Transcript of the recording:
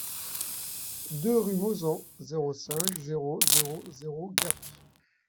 deux rue Mauzan, zéro cinq, zéro zéro zéro Gap